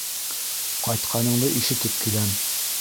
Ҡайтҡаныңды ишетеп киләм!